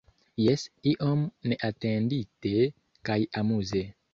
Jes, iom neatendite kaj amuze.